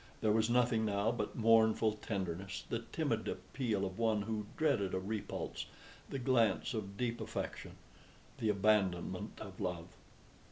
There was nothing now but mournful tenderness the timid appeal of one who dreaded a repulse, the glance of deep affection, the abandonment of love.